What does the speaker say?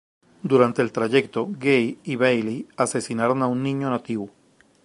Durante el trayecto, Gay y Bailey asesinaron a un niño nativo.